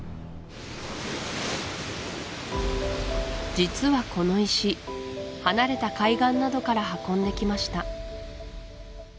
実はこの石離れた海岸などから運んできました